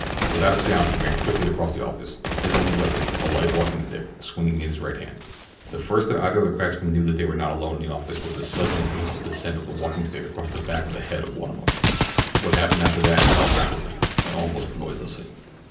Without a sound he ran quickly across the office, his only weapon, a light walking stick, swinging in his right hand. The first that either of the cracksmen knew that they were not alone in the office was the sudden and painful descent of the walking stick across the back of the head of one of them. What happened after that happened rapidly—and almost noiselessly.